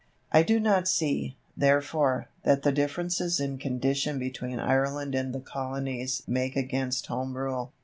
I do not see, therefore, that the differences in condition between Ireland and the Colonies make against Home Rule.